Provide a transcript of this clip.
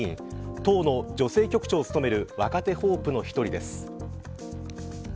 党の女性局長を務める若手ホープの１人です。